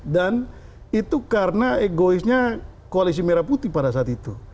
dan itu karena egoisnya koalisi merah putih pada saat itu